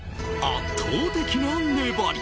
圧倒的な粘り！